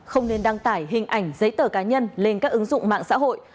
không nên đăng tải hình ảnh giấy tờ cá nhân lên các ứng dụng mạng xã hội